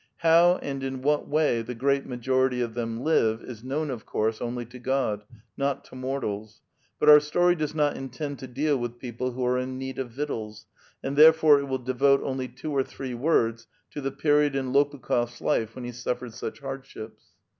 ^ How and in what way the great majority of them live is known, of course, only to God, not to mortals. But our story does not intend to deal with people who are in need of victuals, and therefore it will devote only two or three words to the period in Lopukh6rs life when he suffered such hardships.